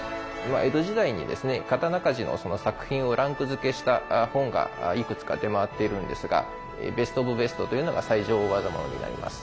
江戸時代にですね刀鍛冶の作品をランク付けした本がいくつか出回っているんですがベスト・オブ・ベストというのが最上大業物になります。